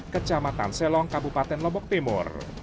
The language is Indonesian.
kecamatan selong kabupaten lombok timur